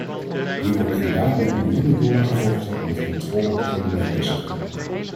Hier wordt inderdaad met miljoenen dollar gevochten om de controle op heel de mediasector.